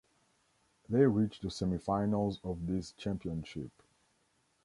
They reach the semi-finals of this championship.